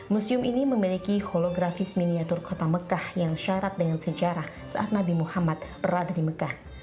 museum ini memiliki holografis miniatur kota mekah yang syarat dengan sejarah saat nabi muhammad berada di mekah